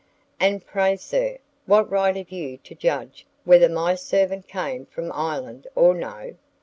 "And pray, sir, what right have you to judge whether my servant came from Ireland or no?